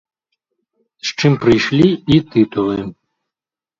З чым прыйшлі і тытулы.